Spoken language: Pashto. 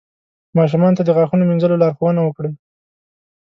ماشومانو ته د غاښونو مینځلو لارښوونه وکړئ.